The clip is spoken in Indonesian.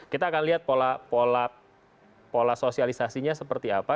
kita akan lihat pola sosialisasinya seperti apa